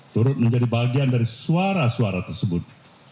turut menjadi bagian dari suara suara tersebut